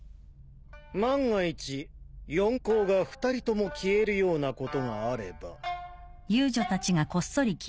万が一四皇が２人とも消えるようなことがあれば。